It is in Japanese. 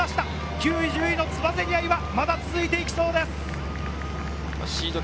９位、１０位のつばぜり合いはまだ続いていきそうです。